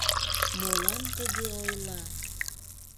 Молан тыге ойла?..